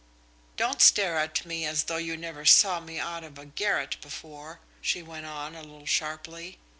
"Don't stare at me as though you never saw me out of a garret before," she went on, a little sharply.